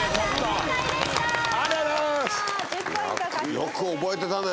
よく覚えてたね。